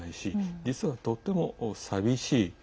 実は、とっても寂しい。